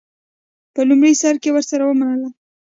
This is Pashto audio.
په لومړي سر کې ورسره ومنله.